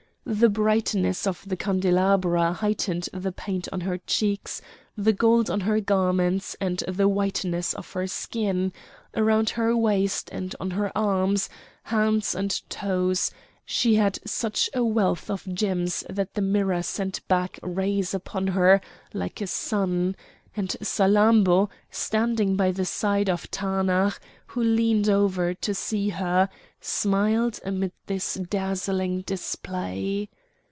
The brightness of the candelabra heightened the paint on her cheeks, the gold on her garments, and the whiteness of her skin; around her waist, and on her arms, hands and toes, she had such a wealth of gems that the mirror sent back rays upon her like a sun;—and Salammbô, standing by the side of Taanach, who leaned over to see her, smiled amid this dazzling display.